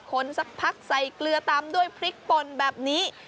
สักพักใส่เกลือตำด้วยพริกป่นแบบนี้